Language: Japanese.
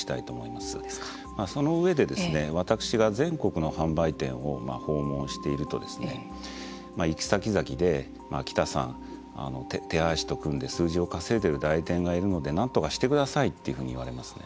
まあその上で私が全国の販売店を訪問していると行くさきざきで北さん手配師と組んで数字を稼いでる代理店がいるのでなんとかしてくださいっていうふうに言われますね。